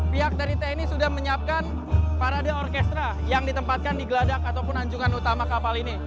pihak dari tni sudah menyiapkan parade orkestra yang ditempatkan di geladak ataupun anjungan utama kapal ini